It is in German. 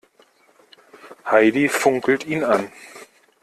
Heidi funkelt ihn an.